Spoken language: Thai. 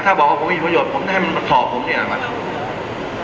ถ้าบอกผมมีประโยชน์ให้มันมาสอบผมเนี่ยก็กู้